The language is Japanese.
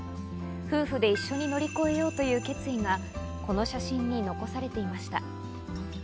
夫婦で一緒に乗り越えようという決意がこの写真に残されていました。